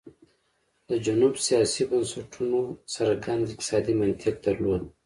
د جنوب سیاسي بنسټونو څرګند اقتصادي منطق درلود.